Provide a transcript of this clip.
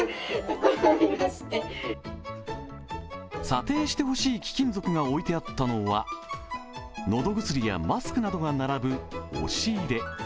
査定してほしい貴金属が置いてあったのは、喉薬やマスクなどが並ぶ押し入れ。